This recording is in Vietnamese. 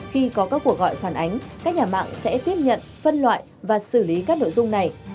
khi có các cuộc gọi phản ánh các nhà mạng sẽ tiếp nhận phân loại và xử lý các nội dung này